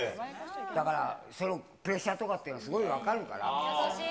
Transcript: だから、そのプレッシャーとかっていうのは、すごい分かるから。